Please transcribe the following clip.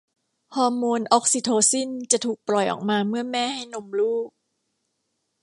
ฮอร์โมนออกซิโทซินจะถูกปล่อยออกมาเมื่อแม่ให้นมลูก